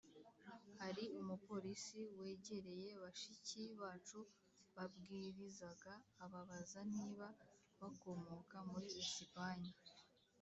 hari umupolisi wegereye bashiki bacu babwirizaga ababaza niba bakomoka muri Esipanye